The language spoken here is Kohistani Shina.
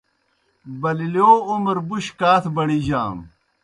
بَللِیؤ عمر بُش کاتھ بڑِیجانوْ۔